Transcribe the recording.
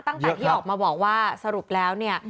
ตั้งแต่ที่ออกมาบอกว่าสรุปแล้วเนี่ย